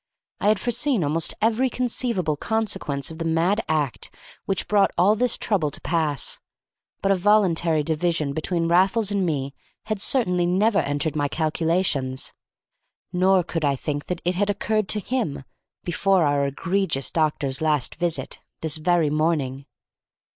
I had foreseen almost every conceivable consequence of the mad act which brought all this trouble to pass, but a voluntary division between Raffles and me had certainly never entered my calculations. Nor could I think that it had occurred to him before our egregious doctor's last visit, this very morning.